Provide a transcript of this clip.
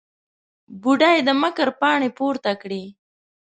بوډۍ د مکر پاڼې پورته کړې.